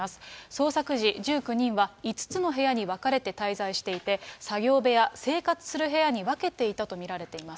捜索時、１９人は５つの部屋に分かれて滞在していて、作業部屋、生活する部屋に分けていたと見られています。